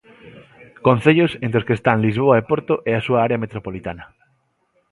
Concellos entre os que están Lisboa e Porto e a súa área metropolitana.